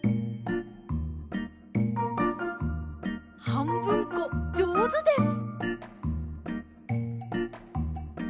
はんぶんこじょうずです！